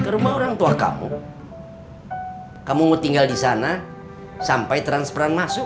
ke rumah orang tua kamu kamu mau tinggal di sana sampai transferan masuk